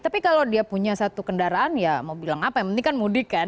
tapi kalau dia punya satu kendaraan ya mau bilang apa yang penting kan mudik kan